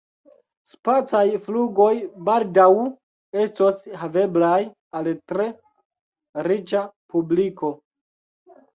Spacaj flugoj baldaŭ estos haveblaj al tre riĉa publiko.